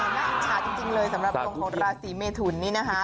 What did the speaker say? น่าอิจฉาจริงเลยสำหรับดวงของราศีเมทุนนี่นะคะ